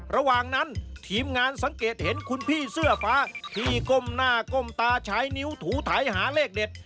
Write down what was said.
ระหว่างนั้นทีมงานสังเกตเห็นคุณพี่เสื้อฟ้าที่ก้มหน้าก้มตาใช้นิ้วถูถ่ายหาเลขเด็ด